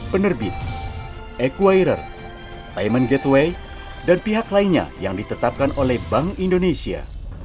penerbit equire diamond gateway dan pihak lainnya yang ditetapkan oleh bank indonesia